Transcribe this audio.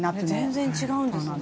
全然違うんですね。